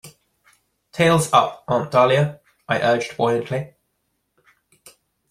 "Tails up, Aunt Dahlia," I urged buoyantly.